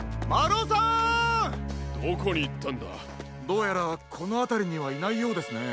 どうやらこのあたりにはいないようですね。